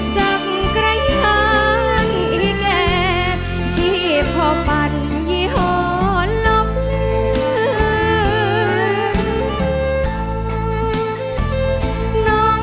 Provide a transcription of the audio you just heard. จับกระยังอีแก่ที่พ่อปั่นยี่ห่อนลบเลือด